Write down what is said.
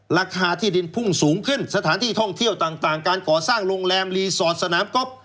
ราคาที่ดินพุ่งสูงขึ้นสถานที่ท่องเที่ยวต่างการก่อสร้างโรงแรมรีสอร์ทสนามก๊อฟ